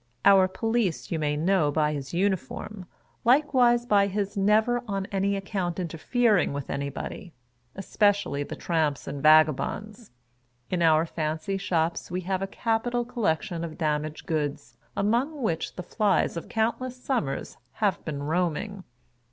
Our Police you may know by his uniform, likewise by his never on any account interfering with anybody — especially the tramps and vagabonds. In our fancy shops Ave have a capital collection of damaged goods, among which the flies of countless summers "have been roaming."